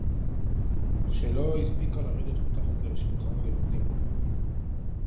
שלא הספיקה לרדת מתחת לשולחן הלימודים